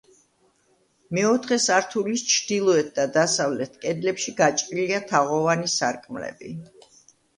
მეოთხე სართულის ჩრდილოეთ და დასავლეთ კედლებში გაჭრილია თაღოვანი სარკმლები.